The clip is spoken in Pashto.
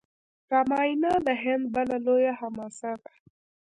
راماینا د هند بله لویه حماسه ده.